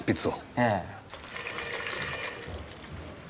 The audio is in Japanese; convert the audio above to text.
ええ。